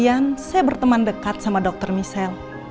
sebagian saya berteman dekat sama dokter micelle